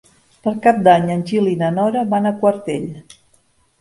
Per Cap d'Any en Gil i na Nora van a Quartell.